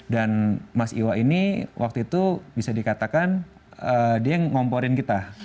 dan mas iwa ini waktu itu bisa dikatakan dia yang ngomporin kita